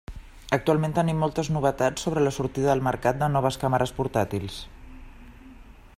Actualment tenim moltes novetats sobre la sortida al mercat de noves càmeres portàtils.